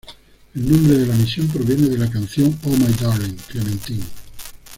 El nombre de la misión proviene de la canción Oh My Darling, Clementine.